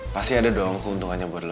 pasti ada dong keuntungannya buat